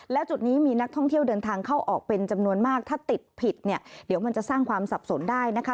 และจุดนี้มีนักท่องเที่ยวเดินทางเข้าออกเป็นจำนวนมากถ้าติดผิดเนี่ยเดี๋ยวมันจะสร้างความสับสนได้นะคะ